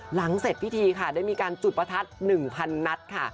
หลังเสร็จพิธีค่ะได้มีการจุดประทัด๑๐๐นัดค่ะ